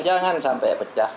jangan sampai pecah